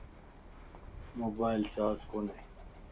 موبائلم چارج ڪوني